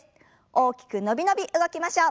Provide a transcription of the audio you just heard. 大きく伸び伸び動きましょう。